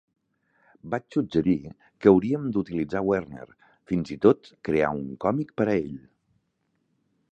Vaig suggerir que hauríem d'utilitzar Werner, fins i tot crear un còmic per a ell.